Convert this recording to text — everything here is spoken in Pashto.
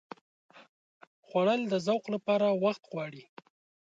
خوړل د ذوق لپاره وخت غواړي